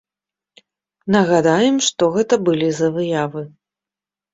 Нагадаем, што гэта былі за выявы.